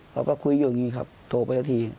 เขาก็คุยอยู่อย่างนี้ครับโทรไปสักที